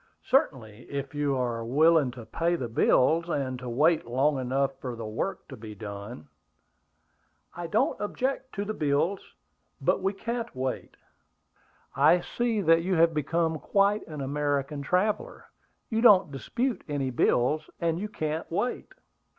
"Certainly, if you are willing to pay the bills and to wait long enough for the work to be done." "I don't object to the bills, but we can't wait." "I see that you have become quite an American traveller; you don't dispute any bills, and you can't wait."